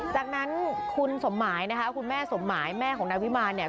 จากนั้นคุณสมหมายนะคะคุณแม่สมหมายแม่ของนายวิมารเนี่ย